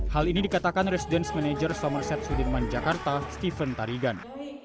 hal ini dikatakan residence manager somerset sudirman jakarta stephen tarigan